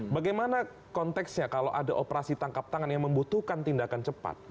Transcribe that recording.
bagaimana konteksnya kalau ada operasi tangkap tangan yang membutuhkan tindakan cepat